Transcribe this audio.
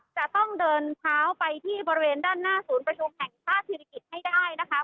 จะต้องเดินเท้าไปที่บริเวณด้านหน้าศูนย์ประชุมแห่งชาติศิริกิจให้ได้นะคะ